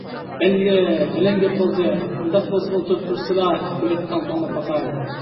بەللى! بەلەن گەپ بولدى! ئۇنداق بولسا ئولتۇرۇپ تۇرۇشسىلا، بېرىپ تىڭ تىڭلاپ باقاي.